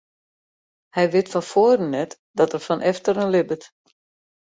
Hy wit fan foaren net dat er fan efteren libbet.